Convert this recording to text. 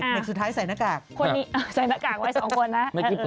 เมตรสุดท้ายใส่หน้ากาก